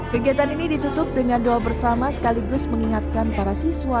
kegiatan ini ditutup dengan doa bersama sekaligus mengingatkan para siswa